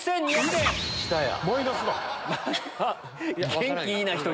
元気いいな１人。